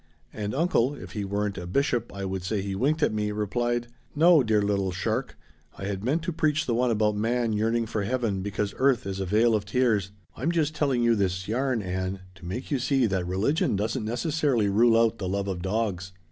And uncle if he weren't a bishop I would say he winked at me replied, 'No, dear little shark. I had meant to preach the one about man yearning for Heaven because earth is a vale of tears.' I'm just telling you this yarn, Ann, to make you see that religion doesn't necessarily rule out the love of dogs."